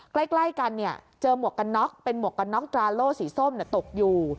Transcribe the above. ใกล้กันเนี่ยเจอหมวกกันน็อกเป็นหมวกกันน็อกตราโลสีส้มตกอยู่